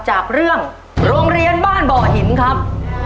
จากเรื่องโรงเรียนบ้านบ่อหินครับ